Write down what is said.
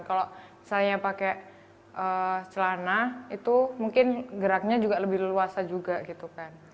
kalau misalnya pakai celana itu mungkin geraknya juga lebih leluasa juga gitu kan